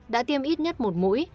đã tiêm ít nhất một mũi